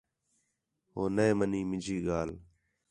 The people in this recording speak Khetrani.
ہو نے مَنی مینجی ڳالھ